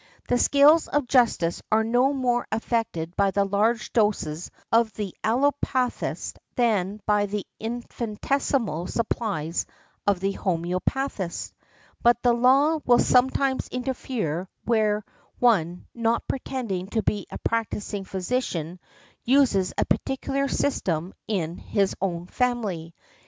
The scales of justice are no more affected by the large doses of the allopathist than by the infinitesimal supplies of the homœopathist. But the law will sometimes interfere where one not pretending to be a practising physician uses a peculiar system in his own family.